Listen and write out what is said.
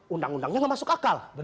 undang undangnya nggak masuk akal